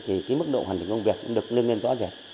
thì cái mức độ hoàn thành công việc cũng được nâng lên rõ ràng